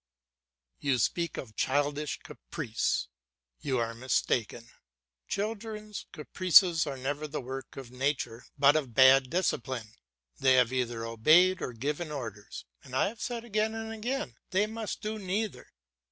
You speak of childish caprice; you are mistaken. Children's caprices are never the work of nature, but of bad discipline; they have either obeyed or given orders, and I have said again and again, they must do neither.